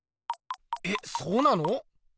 えっそうなの？